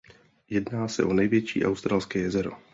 Jedná se o největší australské jezero.